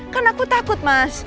kan aku takut mas